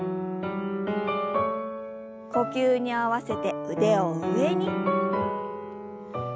呼吸に合わせて腕を上に。